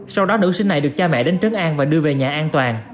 sau đó nữ sinh này được cha mẹ đến trấn an và đưa về nhà an toàn